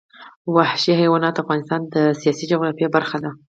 وحشي حیوانات د افغانستان د سیاسي جغرافیه برخه ده.